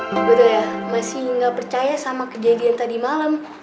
betul ya masih gak percaya sama kejadian tadi malam